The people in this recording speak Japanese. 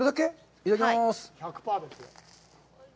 いただきます！